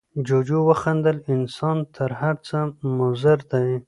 جوجو وخندل، انسان تر هر څه مضر دی.